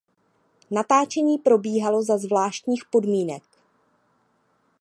Natáčení probíhalo za zvláštních podmínek.